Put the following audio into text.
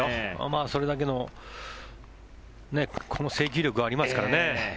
それだけのこの制球力がありますからね。